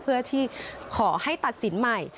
เพื่อที่ขอให้ตัดสินใหม่